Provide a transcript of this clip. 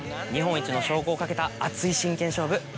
日本一の称号を懸けた熱い真剣勝負